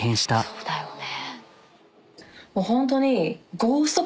そうだよね。